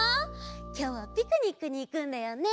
きょうはピクニックにいくんだよね